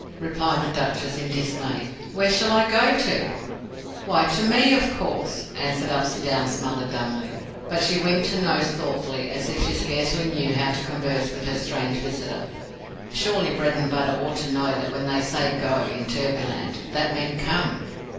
replied the Duchess in dismay; "where shall I go to?" "Why, to me, of course," answered Upsydoun's mother, dumbly; but she winked her nose thoughtfully, as if she scarcely knew how to converse with her strange visitor. Surely Bredenbutta ought to know that when they said "go" in Turvyland, they meant "come."